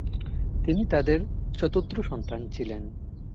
তিনি তাদের চতুর্থ সন্তান ছিলেন।